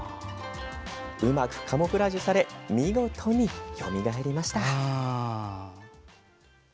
うまくカムフラージュされ見事によみがえりました。